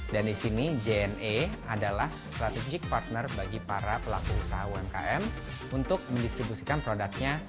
dan di sini jne adalah strategic partner bagi para pelaku usaha umkm untuk mendistribusikan produknya